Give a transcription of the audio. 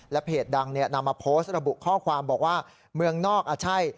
เพจดังนำมาโพสต์ระบุข้อความบอกว่าเมืองนอกอ่ะใช่